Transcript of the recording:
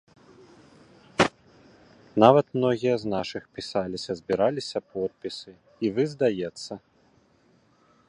Нават многія з нашых пісаліся, збіраліся подпісы, і вы, здаецца?